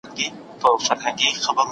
سیاست په اوسنیو پېړیو کې پرمختګ وکړ.